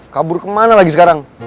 kabur kemana lagi sekarang